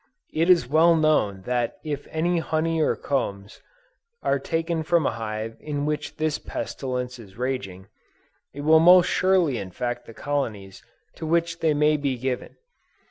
It is well known that if any honey or combs are taken from a hive in which this pestilence is raging, it will most surely infect the colonies to which they may be given.